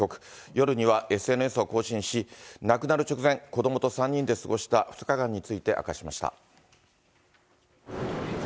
夜にはＳＮＳを更新し、亡くなる直前、子どもと３人で過ごした２日間について明かしました。